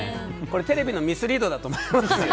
テレビのミスリードだと思います。